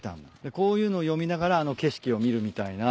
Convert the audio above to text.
こういうのを読みながらあの景色を見るみたいな。